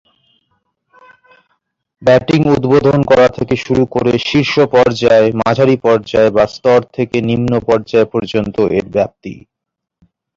Batting উদ্বোধন করা থেকে শুরু করে শীর্ষ পর্যায়, মাঝারি পর্যায় বা স্তর থেকে নিম্ন পর্যায় পর্যন্ত এর ব্যাপ্তি।